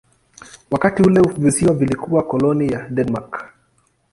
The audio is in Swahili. Wakati ule visiwa vilikuwa koloni ya Denmark.